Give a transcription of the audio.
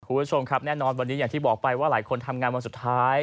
คุณผู้ชมครับแน่นอนวันนี้อย่างที่บอกไปว่าหลายคนทำงานวันสุดท้าย